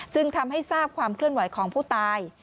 จึงทำให้ทราบความเคลื่อนไหวของผู้ตาย